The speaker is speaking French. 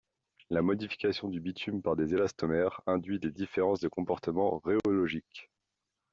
La modification du bitume par des élastomères induit des différences de comportement rhéologique.